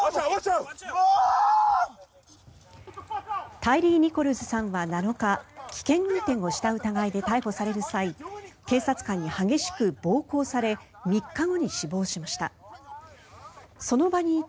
タイリー・ニコルズさんは７日危険運転をした疑いで逮捕される際警察官に激しく暴行され３日後に死亡しました。